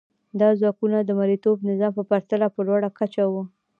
دا ځواکونه د مرئیتوب نظام په پرتله په لوړه کچه وو.